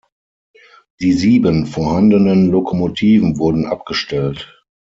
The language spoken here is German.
Die sieben vorhandenen Lokomotiven wurden abgestellt.